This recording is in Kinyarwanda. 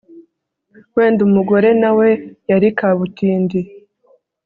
wenda umugore na we yari kabutindi